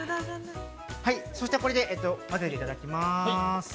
◆そしてこれで混ぜていただきます。